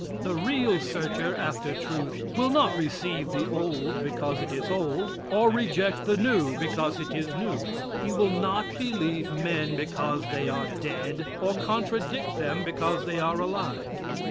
The real searcher after truth will not receive the old because it is old, or reject the new because it is new. He will not believe men because they are dead, or contradict them because they are alive.